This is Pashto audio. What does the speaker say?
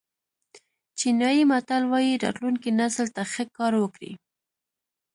چینایي متل وایي راتلونکي نسل ته ښه کار وکړئ.